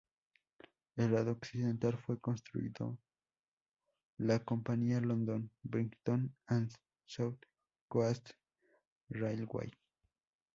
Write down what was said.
El lado occidental fue construido la compañía London, Brighton and South Coast Railway.